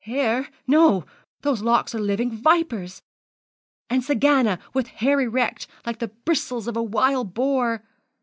hair, no, those locks are living vipers! and Sagana, with hair erect, like the bristles of a wild boar!